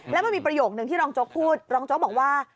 แล้วมันมีประโยคนึงที่รองโจ๊กพูดรองโจ๊กบอกว่า